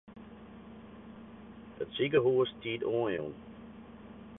It sikehús stiet oanjûn.